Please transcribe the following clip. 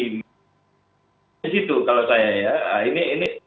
di situ kalau saya ya ini